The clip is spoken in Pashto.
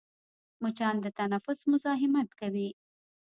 مچان د تنفس مزاحمت کوي